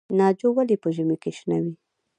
ناجو ولې په ژمي کې شنه وي؟